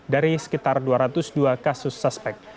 dari sekitar dua ratus dua kasus suspek